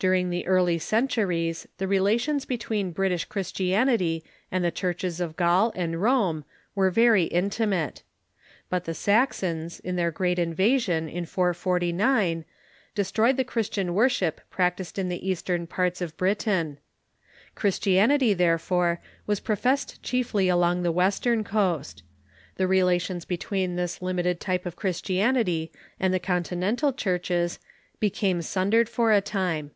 During the early centuries the relations between British Christianity and the churches of Gaul and Rome were very intimate. But the Saxons, in their great in vasion, in 449, destroyed the Christian worship practised in the eastern parts of Britain. Christianity, therefore, was pro fessed chiefly along the western coast. The relations between this limited type of Christianity and the Continental churches became sundered for a time.